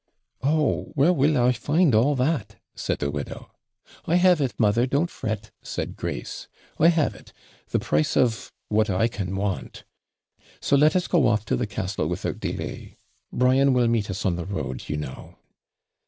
'Oh, where will I find all that?' said the widow. 'I have it, mother; don't fret,' said Grace. 'I have it the price of what I can want. [What I can do without.] So let us go off to the castle without delay. Brian will meet us on the road, you know.'